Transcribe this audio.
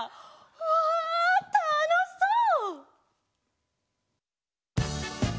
うわたのしそう！